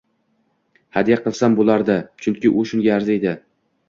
Hadya qilsam bo‘lardi, chunki u shunga arziydi.